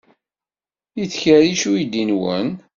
Yettkerric uydi-nwen?